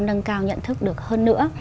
nâng cao nhận thức được hơn nữa